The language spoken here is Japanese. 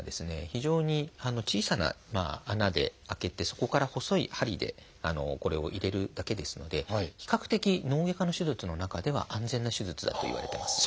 非常に小さな穴で開けてそこから細い針でこれを入れるだけですので比較的脳外科の手術の中では安全な手術だといわれてます。